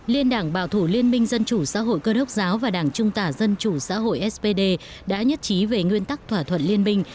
liên đảng bảo thủ liên minh dân chủ xã hội cơ đốc giáo và đảng trung tả dân chủ xã hội spd đã nhất trí về nguyên tắc thỏa thuận liên minh